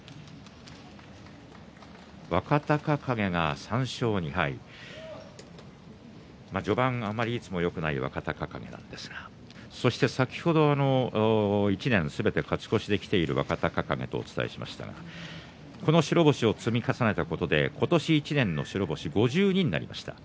若隆景は３勝２敗序盤、あまりよくない若隆景ですが、そして、先ほど１年すべて勝ち越してきている若隆景とお伝えしましたがこの白星を積み重ねたことで今年１年の白星５２になりました。